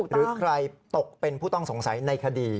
หรือใครตกเป็นผู้ต้องสงสัยในคดี